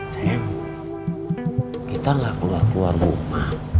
sayang kita harus keluar keluar rumah